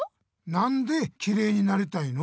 なんできれいになりたいの？